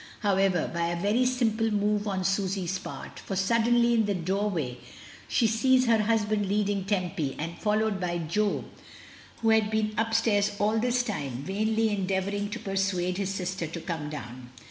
22^ ever, by a very simple move on Susy's psurt, for sud denly in the doorway she sees her husband leading Tempy, and followed by Jo, who had been upstairs all this time vainly endeavouring to persuade his sister to come down.